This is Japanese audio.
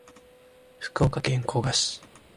福岡県古賀市